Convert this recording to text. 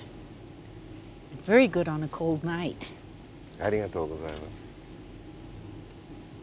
ありがとうございます。